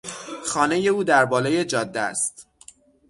خانهی او در بالای جاده است.